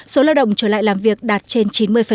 số lao động trở lại làm việc đạt trên chín mươi